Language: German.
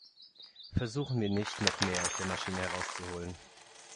Versuchen wir nicht, noch mehr aus der Maschine herauszuholen.